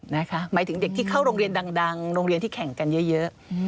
หมายถึงเด็กที่เข้าโรงเรียนดังโรงเรียนที่แข่งกันเยอะ